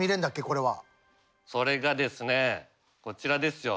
これは。それがですねこちらですよ。